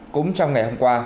cũng trong ngày hôm qua